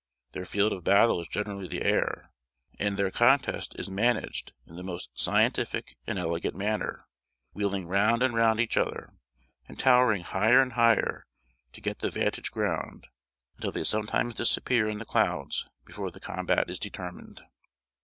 Their field of battle is generally the air: and their contest is managed in the most scientific and elegant manner; wheeling round and round each other, and towering higher and higher to get the vantage ground, until they sometimes disappear in the clouds before the combat is determined.